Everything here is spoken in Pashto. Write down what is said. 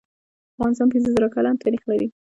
افغانستان پنځه زر کلن تاریخ لري.